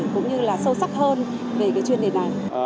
cũng như là sâu sắc hơn về cái chuyên đề này